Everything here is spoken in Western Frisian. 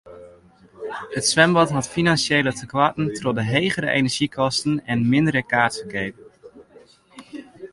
It swimbad hat finansjele tekoarten troch de hegere enerzjykosten en mindere kaartferkeap.